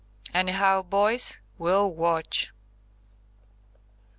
Anyhow, boys, we'll watch."